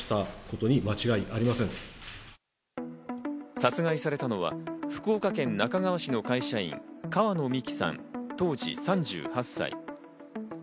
殺害されたのは福岡県那珂川市の会社員・川野美樹さん、当時３８歳。